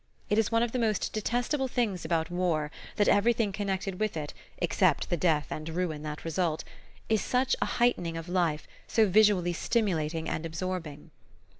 It is one of the most detestable things about war that everything connected with it, except the death and ruin that result, is such a heightening of life, so visually stimulating and absorbing.